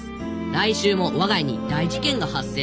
来週も我が家に大事件が発生。